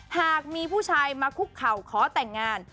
หากมีผู้ชายมาคุกเข่าขอแต่งงาน